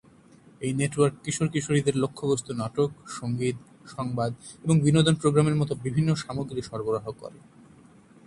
এই নেটওয়ার্ক কিশোর-কিশোরীদের লক্ষ্যবস্তু নাটক, সংগীত, সংবাদ এবং বিনোদন প্রোগ্রামের মতো বিভিন্ন সামগ্রী সরবরাহ করে।